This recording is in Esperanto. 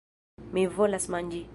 Mi volas manĝi...